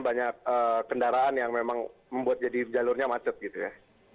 banyak kendaraan yang memang membuat jadi jalurnya macet gitu ya